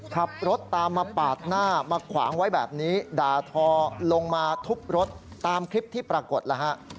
ขับรถตามมาปาดหน้ามาขวางไว้แบบนี้ด่าทอลงมาทุบรถตามคลิปที่ปรากฏแล้วฮะ